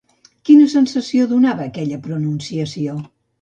Quina sensació donava aquella pronunciació?